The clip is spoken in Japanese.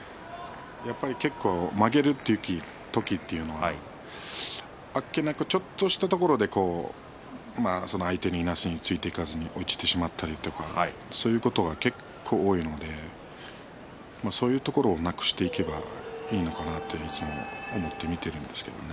やっぱり結構、負ける時はあっけなくちょっとしたところで相手のいなしについていけなかったりそういうことが結構多いのでそういうところをなくしていけばいいのかなと思って見ているんですがね。